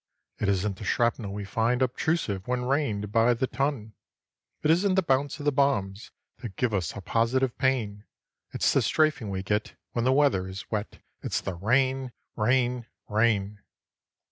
It isn't the shrapnel we find Obtrusive when rained by the ton; It isn't the bounce of the bombs That gives us a positive pain: It's the strafing we get When the weather is wet It's the RAIN, RAIN, RAIN.